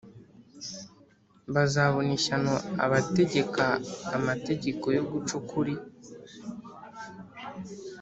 Bazabona ishyano abategeka amategeko yo guca ukuri